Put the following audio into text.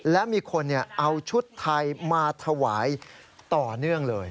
และมีคนเอาชุดไทยมาถวายต่อเนื่องเลย